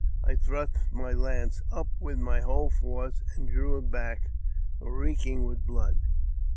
I thrust my lance up with my whole force, and drew it back reeking with blood.